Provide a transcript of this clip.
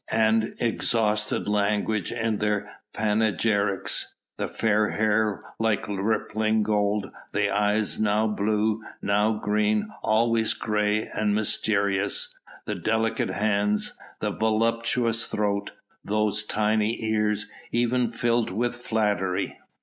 and exhausted language in their panegyrics: the fair hair like rippling gold, the eyes now blue, now green, always grey and mysterious, the delicate hands, the voluptuous throat, those tiny ears ever filled with flattery?